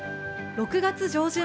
６月上旬。